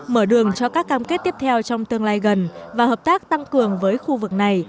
mở đường cho các cam kết tiếp theo trong tương lai gần và hợp tác tăng cường với khu vực này